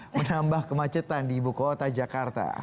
menambah kemacetan di ibu kota jakarta